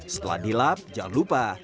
setelah dilap jangan lupa